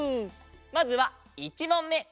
まずは１もんめ。